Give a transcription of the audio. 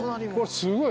すごい。